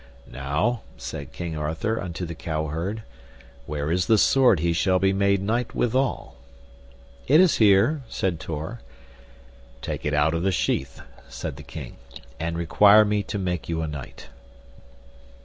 Now, said King Arthur unto the cow herd, where is the sword he shall be made knight withal? It is here, said Tor. Take it out of the sheath, said the king, and require me to make you a knight.